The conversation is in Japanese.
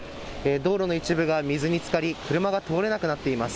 道路の一部が水につかり車が通れなくなっています。